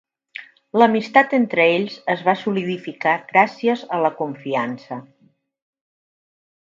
L'amistat entre ells es va solidificar gràcies a la confiança.